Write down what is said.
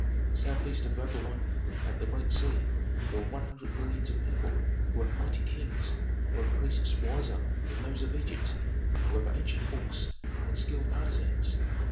"Southeast of Babylon, at the great sea, dwell one hundred millions of people who have mighty kings, who have priests wiser than those of Egypt, who have ancient books, and skilled artisans.